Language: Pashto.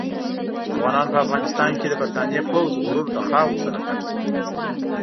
افغانانو په افغانستان کې د برتانیې پوځ غرور له خاورو سره ګډ کړ.